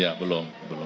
ya belum belum